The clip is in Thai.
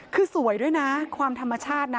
คือสวยด้วยนะความธรรมชาตินะ